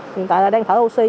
hiện tại đang thở oxy